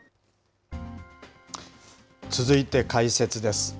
続いて解説です。